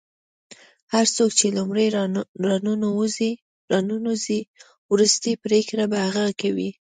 هر څوک چې لومړی راننوځي وروستۍ پرېکړه به هغه کوي.